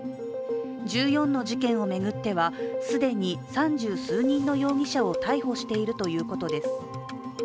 １４の事件を巡っては既に三十数人の容疑者を逮捕しているということです。